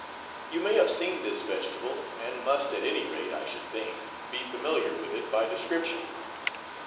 You may have seen this vegetable, and must, at any rate, I should think, be familiar with it by description.